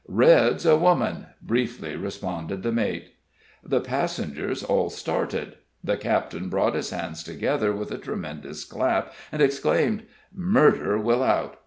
"Red's a woman," briefly responded the mate. The passengers all started the captain brought his hands together with a tremendous clap, and exclaimed: "Murder will out!